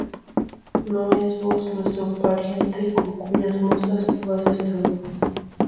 ¿No es Booz nuestro pariente, con cuyas mozas tú has estado?